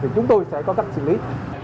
thì chúng tôi sẽ có cách xử lý